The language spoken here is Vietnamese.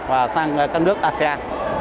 sang trung đông và sang các nước asean